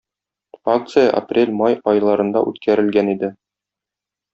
Акция апрель-май айларында үткәрелгән иде.